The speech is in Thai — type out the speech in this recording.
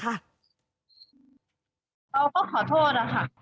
เราก็ขอโทษนะคะ